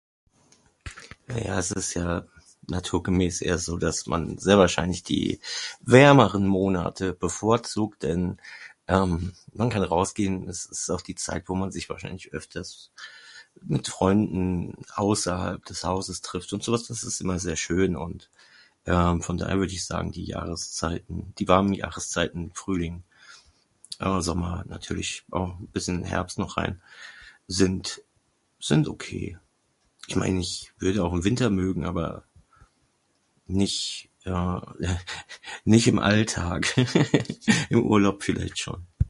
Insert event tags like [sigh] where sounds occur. Naja, es ist ja naturgemäß eher so, dass man sehr wahrscheinlich die wärmeren Monate bevorzugt, denn..ähm..man kann raus gehen und es ist auch die Zeit, wo man sich wahrscheinlich öfters mit Freunden außerhalb des Hauses trifft und sowas. Das ist immer sehr schön ..Von daher würd' ich sagen die Jahreszeiten, die warmen Jahreszeiten: Frühling, Sommer und natürlich auch bisschen Herbst noch rein...sind ..sind Okey..ich mein' ich würde auch den Winter mögen, aber nicht äh... [laughs] nicht im Alltag ..im Urlaub vielleicht schon